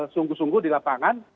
sungguh sungguh di lapangan